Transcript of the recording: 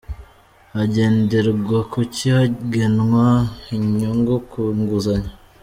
Hagenderwa kuki hagenwa inyungu ku nguzanyo.